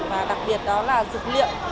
và đặc biệt đó là dược liệu